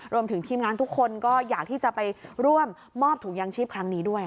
รวมถึงทีมงานทุกคนก็อยากที่จะไปร่วมมอบถุงยางชีพครั้งนี้ด้วย